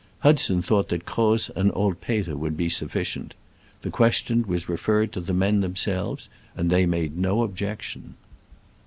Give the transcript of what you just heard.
Hudson thought that Croz and old Peter would be sufficient. The question was referred to the men them selves, and they made no objection.